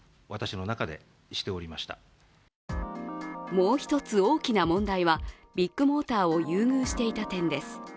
もう一つ、大きな問題はビッグモーターを優遇していた点です。